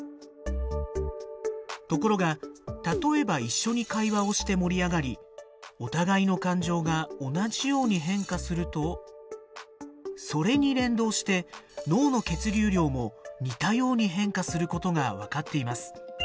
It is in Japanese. ところが例えば一緒に会話をして盛り上がりお互いの感情が同じように変化するとそれに連動して脳の血流量も似たように変化することが分かっています。